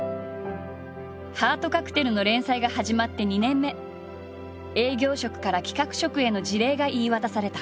「ハートカクテル」の連載が始まって２年目営業職から企画職への辞令が言い渡された。